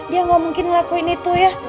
dia gak mungkin ngelakuin itu ya